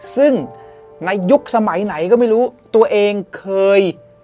ซึ่งในยุคสมัยไหนก็ไม่รู้ตัวเองเคย